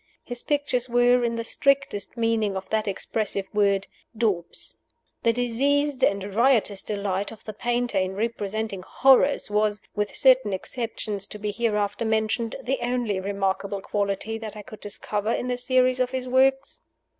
His pictures were, in the strictest meaning of that expressive word, Daubs. The diseased and riotous delight of the painter in representing Horrors was (with certain exceptions to be hereafter mentioned) the one remarkable quality that I could discover in the series of his works.